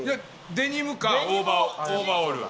デニムかオーバーオール。